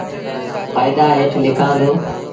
ڦآئيدآ هيٺ لکآݩ دو۔